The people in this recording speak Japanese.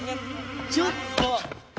ちょっと！